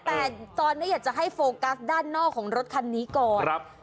แต่ตอนนี้อยากจะให้โฟกัสด้านนอกของรถคันนี้ก่อนครับ